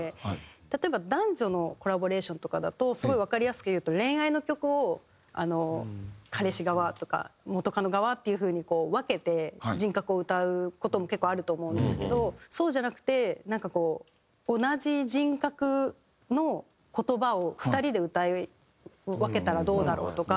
例えば男女のコラボレーションとかだとすごいわかりやすく言うと恋愛の曲を彼氏側とか元カノ側っていう風に分けて人格を歌う事も結構あると思うんですけどそうじゃなくてなんかこう同じ人格の言葉を２人で歌い分けたらどうだろうとか。